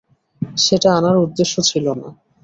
সেটা আমার উদ্দ্যেশ্য ছিল না।